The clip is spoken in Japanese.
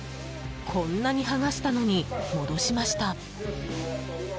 こんなに剥がしたのに戻しました。